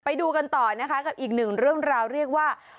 ไปดูกันต่อนะคะกับอีกหนึ่งเรื่องราวเรียกว่า